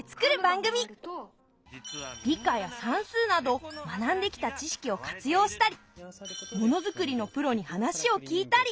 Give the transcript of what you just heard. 理科や算数など学んできた知識を活用したりものづくりのプロに話を聞いたり。